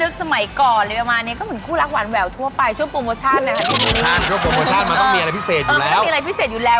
อือก็มีอะไรพิเศษอยู่แล้ว